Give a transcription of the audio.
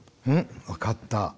分かった。